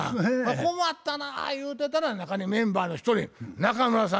困ったな言うてたら中にメンバーの一人中村さん